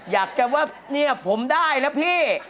อยากจะว่าเนี่ยผมได้นะพี่